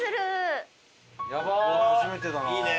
初めてだな。